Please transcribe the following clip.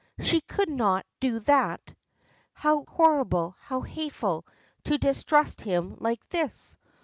She could not do that! How horrible, how hateful to distrust him like this!